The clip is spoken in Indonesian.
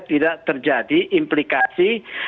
tidak terjadi implikasi